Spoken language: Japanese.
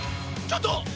ちょっと！